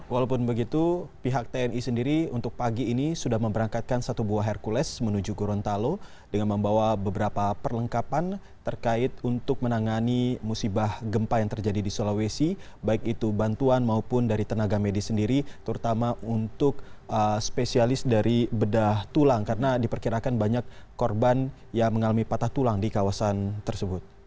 walaupun begitu pihak tni sendiri untuk pagi ini sudah memberangkatkan satu buah hercules menuju gurun talo dengan membawa beberapa perlengkapan terkait untuk menangani musibah gempa yang terjadi di sulawesi baik itu bantuan maupun dari tenaga medis sendiri terutama untuk spesialis dari bedah tulang karena diperkirakan banyak korban yang mengalami patah tulang di kawasan tersebut